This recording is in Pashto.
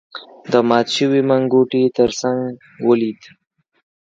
د مات شوی منګوټي تر څنګ ولید.